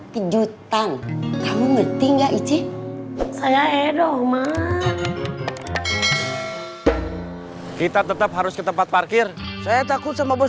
kejutan kamu ngerti nggak ici saya edo mah kita tetap harus ke tempat parkir saya takut sama bus